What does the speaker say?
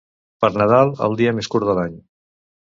Per Nadal, el dia més curt de l'any.